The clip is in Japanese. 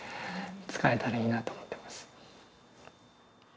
使えたらいいなと思ってます。